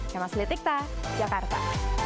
sama seletikta jakarta